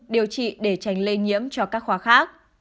điều trị để tránh lây nhiễm cho các khoa khác